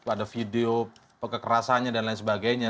ada video kekerasannya dan lain sebagainya